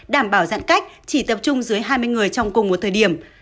đảm bảo giãn cách chỉ tập trung dưới hai mươi người trong cùng một thời điểm